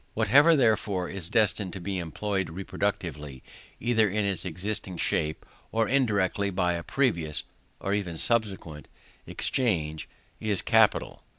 Whatever, therefore, is destined to be employed reproductively, either in its existing shape, or indirectly by a previous (or even subsequent) exchange, is capital.